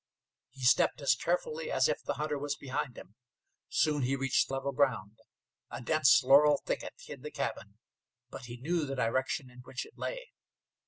He stepped as carefully as if the hunter was behind him. Soon he reached level ground. A dense laurel thicket hid the cabin, but he knew the direction in which it lay.